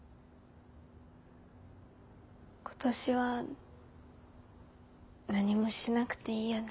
今年は何もしなくていいよね？